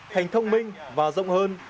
thành thông minh và rộng hơn